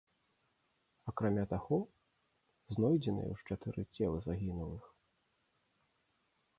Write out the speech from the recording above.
Акрамя таго, знойдзеныя ўжо чатыры целы загінулых.